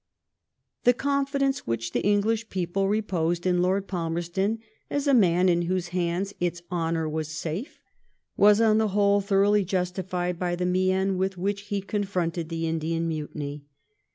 The confidence which the English people reposed in Lord Palmerston as a man in whose hands its honour was safe, was, on the whole, thoroughly justified by the mein with which he confronted the Indian Mutiny.